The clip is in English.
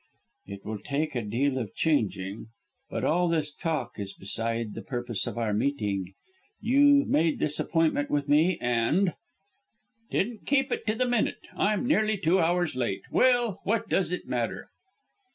"It will take a deal of changing. But all this talk is beside the purpose of our meeting. You made this appointment with me, and " "Didn't keep it to the minute. I'm nearly two hours late. Well, what does it matter?"